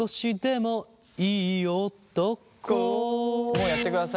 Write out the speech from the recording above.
もうやってください